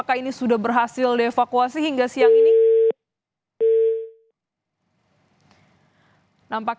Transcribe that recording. dan ada dua belas orang selamat dari pasukan keempat keempat